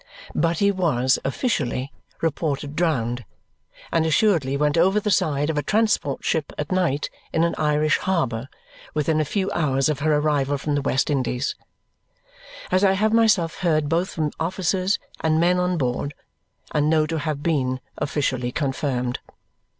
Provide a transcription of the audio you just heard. But he was (officially) reported drowned, and assuredly went over the side of a transport ship at night in an Irish harbour within a few hours of her arrival from the West Indies, as I have myself heard both from officers and men on board, and know to have been (officially) confirmed.